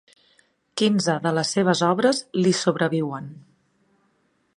Quinze de les seves obres li sobreviuen.